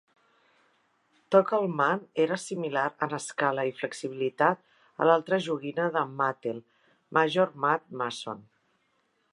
Tog'lman era similar en escala i flexibilitat a l'altra joguina de Mattel, Major Matt Mason.